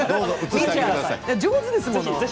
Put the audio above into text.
上手ですもん。